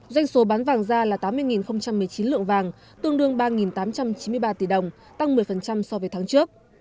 doanh số bán vàng ra là tám mươi một mươi chín lượng vàng tương đương ba tám trăm chín mươi ba tỷ đồng tăng một mươi so với tháng trước